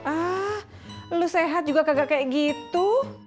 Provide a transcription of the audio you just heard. ah lu sehat juga kagak kayak gitu